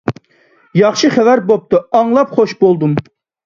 ياخشى خەۋەر بوپتۇ، ئاڭلاپ خۇش بولدۇم.